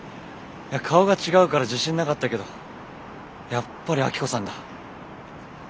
いや顔が違うから自信なかったけどやっぱりアキコさんだ。